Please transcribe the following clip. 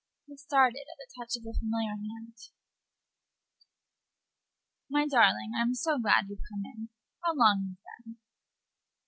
He started at the touch of the familiar hand. "My darling, I'm so glad you've come in. How long you've been!"